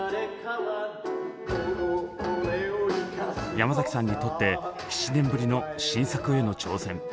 山崎さんにとって７年ぶりの新作への挑戦。